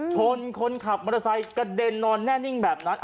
ชนคนขับมอเตอร์ไซค์กระเด็นนอนแน่นิ่งแบบนั้น